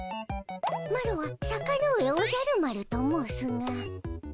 マロは坂ノ上おじゃる丸と申すが。